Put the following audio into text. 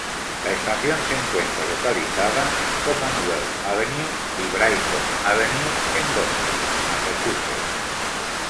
La estación se encuentra localizada en Commonwealth Avenue y Brighton Avenue en Boston, Massachusetts.